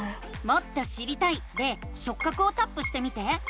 「もっと知りたい」で「しょっ角」をタップしてみて。